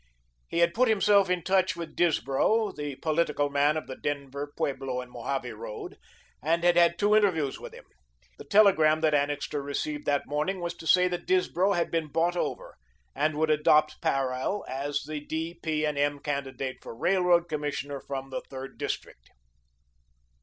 He had put himself in touch with Disbrow, the political man of the Denver, Pueblo and Mojave road, and had had two interviews with him. The telegram that Annixter received that morning was to say that Disbrow had been bought over, and would adopt Parrell as the D., P. and M. candidate for Railroad Commissioner from the third district.